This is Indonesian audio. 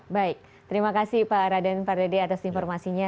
baik terima kasih pak raden pak dede atas informasinya